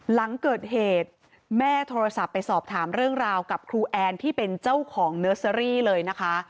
หลังเกิดเหตุแม่โทรศัพท์ไปสอบถามเรื่องราวกับครูแอนที่เป็นเจ้าของเนอร์เซอรี่เลยนะคะ